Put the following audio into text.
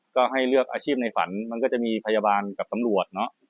ก็ให้เลือกอาชีพในฝันมันก็จะมีพยาบาลกับตำรวจเนอะ